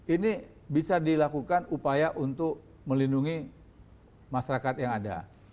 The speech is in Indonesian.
ini bisa dilakukan upaya untuk melindungi masyarakat yang ada